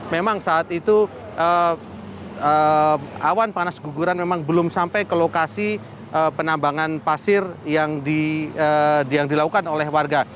memang saat itu awan panas guguran memang belum sampai ke lokasi penambangan pasir yang dilakukan oleh warga